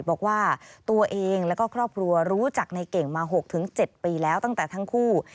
บอกว่าตัวเองแล้วก็ครอบครัวรู้จักในเก่งมา๖๗ปีแล้วตั้งแต่ทั้งคู่